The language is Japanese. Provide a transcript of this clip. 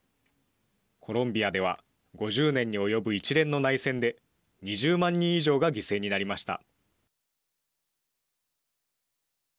コロンビアでは５０年に及ぶ一連の内戦で２０万人以上が犠牲になりました。